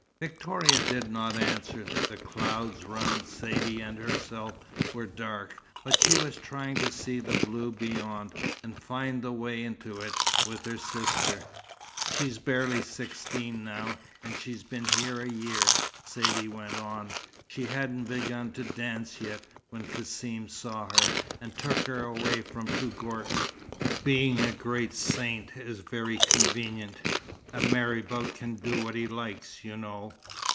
Victoria did not answer. The clouds round Saidee and herself were dark, but she was trying to see the blue beyond, and find the way into it, with her sister. "She's barely sixteen now, and she's been here a year," Saidee went on. "She hadn't begun to dance yet, when Cassim saw her, and took her away from Touggourt. Being a great saint is very convenient. A marabout can do what he likes, you know.